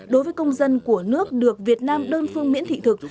đối với công dân của nước được việt nam đơn phương miễn thị thực